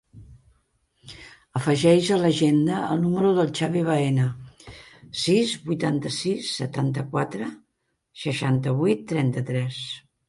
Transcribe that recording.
Afegeix a l'agenda el número del Xavi Baena: sis, vuitanta-sis, setanta-quatre, seixanta-vuit, trenta-tres.